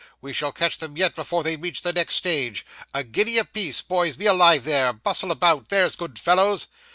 We shall catch them yet before they reach the next stage. A guinea a piece, boys be alive there bustle about there's good fellows.